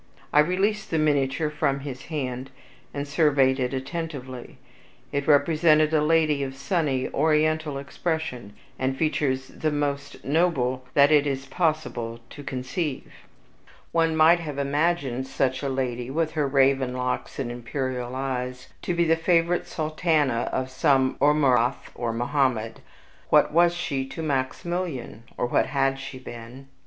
I released the miniature from his hand, and surveyed it attentively. It represented a lady of sunny, oriental complexion, and features the most noble that it is possible to conceive. One might have imagined such a lady, with her raven locks and imperial eyes, to be the favorite sultana of some Amurath or Mohammed. What was she to Maximilian, or what HAD she been?